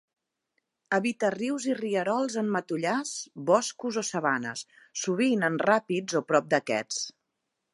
Habita rius i rierols en matollars, boscos o sabanes, sovint en ràpids o prop d'aquests.